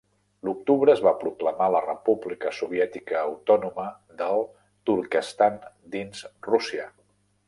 L'octubre es va proclamar la República Soviètica Autònoma del Turquestan dins Rússia.